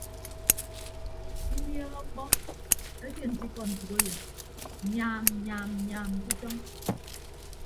Inieehe ọkpọ etie nte ikọ ntәkeyịn nyaam nyaam nyaam ke utọñ.